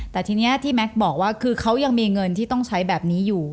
แต่ทีนี้ที่แก๊กบอกว่าคือเขายังมีเงินที่ต้องใช้แบบนี้อยู่